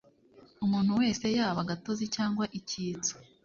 umuntu wese yaba gatozi cyangwa icyitso